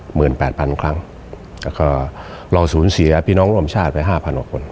หมื่นแปดพันครั้งแล้วก็รองศูนย์สี่อาพินองค์รวมชาติไปห้าพันออกคน